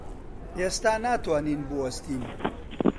ئێستا ناتوانین بوەستین.